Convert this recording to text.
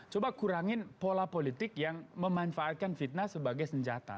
coba kurangin pola politik yang memanfaatkan fitnah sebagai senjata